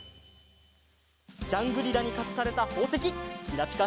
ジャングリラにかくされたほうせききらぴか